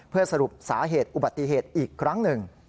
เพื่อสรุปสาเหตุอุบัติเหตุอีกครั้งหนึ่ง